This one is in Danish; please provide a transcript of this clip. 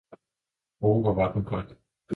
Oh, hvor den var grøn!